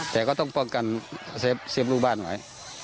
แต่ก็ต้องป้องกันเซฟลูกบ้านไว้